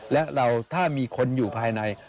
และเราถ้ามีคนอยู่ภายใน